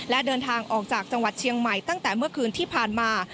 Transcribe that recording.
และเดินทางออกจากจังหวัดเชียงใหม่ตั้งแต่เมื่อคืนที่ผ่านมา